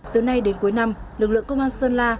từ nay đến cuối năm lực lượng công an sơn la